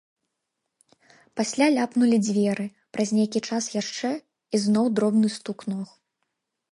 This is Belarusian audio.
Пасля ляпнулі дзверы, праз нейкі час яшчэ, і зноў дробны стук ног.